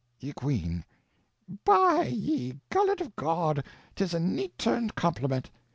Ye Queene. By ye gullet of God, 'tis a neat turned compliment.